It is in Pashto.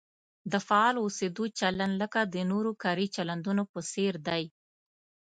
د فعال اوسېدو چلند لکه د نورو کاري چلندونو په څېر دی.